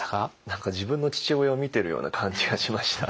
何か自分の父親を見てるような感じがしました。